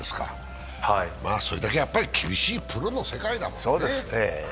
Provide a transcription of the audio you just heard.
それだけ厳しいプロの世界だもんね。